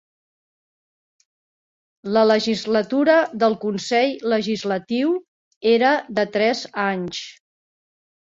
La legislatura del consell legislatiu era de tres anys.